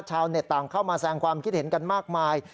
ต่างเข้ามาแสงความคิดเห็นกันมากมาย